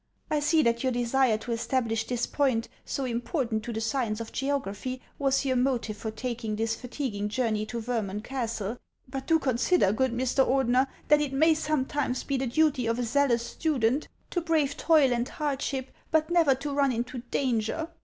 I see that your desire to establish this point, so important to the science of geography, was your motive for taking this fatiguing journey to Vermund castle. But do con sider, good Mr. Ordener, that it may sometimes be the duty of a zealous student to brave toil and hardship, but HANS OF ICELAND. ^45 never to run into danger.